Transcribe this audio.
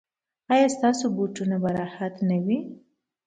ایا ستاسو بوټونه به راحت نه وي؟